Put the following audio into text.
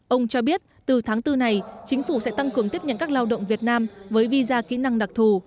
ông cho biết từ tháng bốn này chính phủ sẽ tăng cường tiếp nhận các lao động việt nam với visa kỹ năng đặc thù